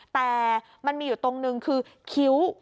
แต่มันมีอยู่ตรงนึงคือคิ้ว